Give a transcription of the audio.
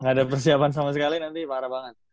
nggak ada persiapan sama sekali nanti parah banget